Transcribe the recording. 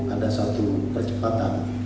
ada satu percepatan